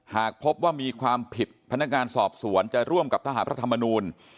หากพบว่ามีความผิดพนักงานสอบสวนจะร่วมกับทหารพระธรรมนูล